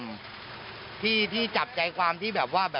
กระทั่งตำรวจก็มาด้วยนะคะ